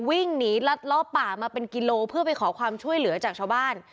วิ่งหนีรัดล้อป่ามาเป็นกิโลเพื่อไปขอความช่วยเหลือจากชาวบ้าน